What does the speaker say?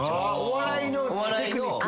お笑いのテクニック？